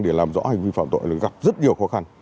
để làm rõ hành vi phạm tội gặp rất nhiều khó khăn